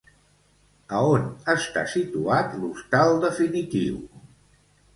A on està situat l'hostal definitiu?